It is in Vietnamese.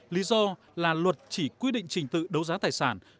lý do là luật chỉ quy định trình tự đấu giá tài sản